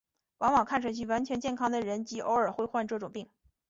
往往看上去完全健康的人极偶尔会患这种病。